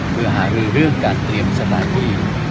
เพื่อหาเรื่องการเตรียมสถานที่